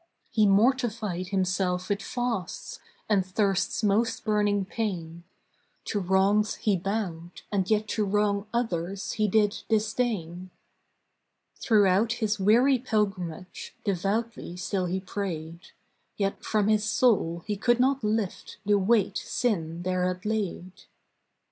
He mortified himself with fasts, And thirst's most burning pain; To wrongs he bowed, and yet to wrong Others he did disdain. Throughout his weary pilgrimage Devoutly still he prayed. Yet from his soul he could not lift The weight sin there had laid.